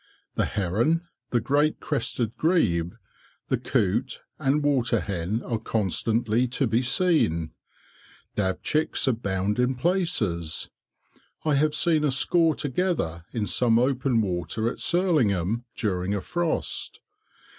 The heron, the great crested grebe, the coot and water hen are constantly to be seen. Dabchicks abound in places. I have seen a score together in some open water, at Surlingham, during a frost.